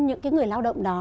những cái người lao động đó